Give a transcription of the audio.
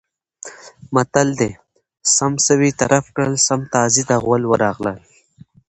متل دی: سم سوی طرف کړل سم تازي ته غول ورغلل.